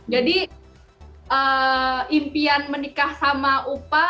jadi impian menikah sama upa